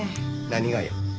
何がよ。